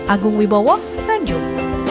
agung wibowo nganjuk